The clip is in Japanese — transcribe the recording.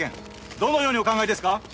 どのようにお考えですか？